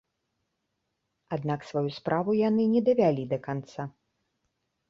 Аднак сваю справу яны не давялі да канца.